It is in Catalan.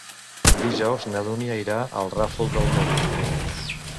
Dijous na Dúnia irà al Ràfol d'Almúnia.